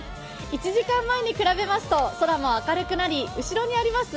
１時間前に比べますと空も明るくなり後ろにあります